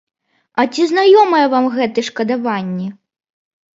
А ці знаёмыя вам гэтыя шкадаванні?